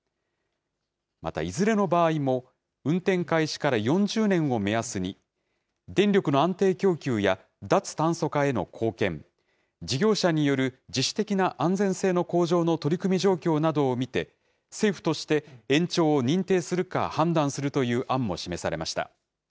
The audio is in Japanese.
また、いずれの場合も、運転開始から４０年を目安に、電力の安定供給や、脱炭素化への貢献、事業者による自主的な安全性の向上の取り組み状況などを見て、政府として延長を認定するか判断するという案も示されました。